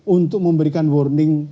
untuk memberikan warning